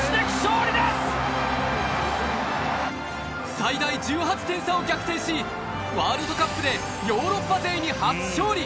最大１８点差を逆転し、ワールドカップでヨーロッパ勢に初勝利。